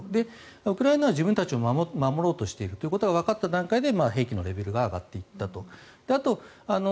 ウクライナは自分たちを守ろうとしているということがわかった段階で兵器のレベルが上がっていったと。